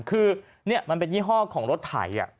คือนี่มันเป็นยี่ห้อของรถไถ